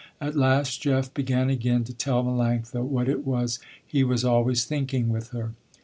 At last Jeff began again to tell Melanctha what it was he was always thinking with her.